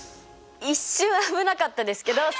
一瞬危なかったですけど正解です！